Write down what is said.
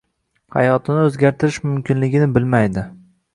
Hayotini oʻzgartirish mumkinligini bilmaydi